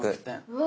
うわ！